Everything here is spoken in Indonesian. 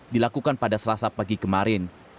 dilakukan pada selasa pagi kemarin